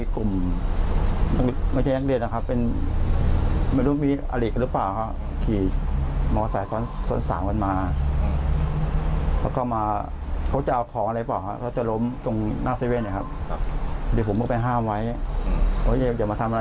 คุณผู้ชมค่ะแล้วคุณผู้ชมดูจุดเกิดเหตุเมื่อสักครู่นะคะ